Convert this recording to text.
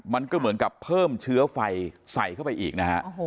มันก็เหมือนกับเพิ่มเชื้อไฟใส่เข้าไปอีกนะฮะ